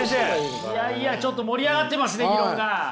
いやいやちょっと盛り上がってますね議論が！